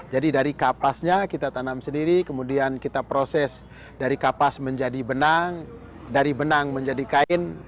jadi dari kapasnya kita tanam sendiri kemudian kita proses dari kapas menjadi benang dari benang menjadi kain